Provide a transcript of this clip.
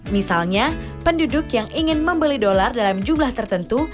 misalnya penduduk yang ingin membeli dolar dalam jumlah tertentu